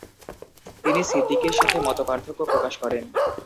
তিনি সিদ্দিকির সাথে মতপার্থক্য প্রকাশ করেন।